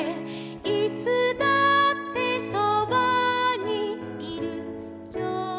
「いつだってそばにいるよ」